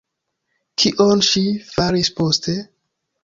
Kion ŝi faris poste?